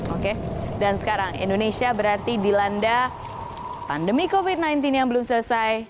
oke dan sekarang indonesia berarti dilanda pandemi covid sembilan belas yang belum selesai